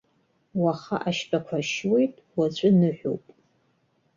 Уаха ашьтәақәа ршьуеит, уаҵәы ныҳәоуп!